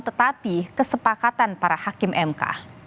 tetapi kesepakatan para hakim mk